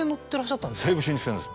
西武新宿線です！